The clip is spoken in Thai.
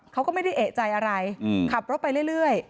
เขาก็ไม่ได้เอกใจอะไรขับรถไปเรื่อย